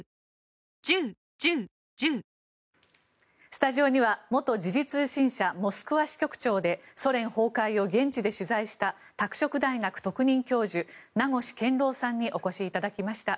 スタジオには元時事通信社モスクワ支局長でソ連崩壊を現地で取材した拓殖大学特任教授名越健郎さんにお越しいただきました。